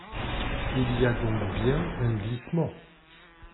Il y a donc bien un glissement.